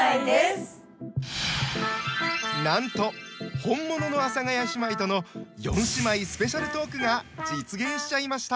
なんと本物の阿佐ヶ谷姉妹との四姉妹スペシャルトークが実現しちゃいました。